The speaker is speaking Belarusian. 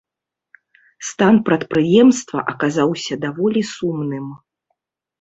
Стан прадпрыемства аказаўся даволі сумным.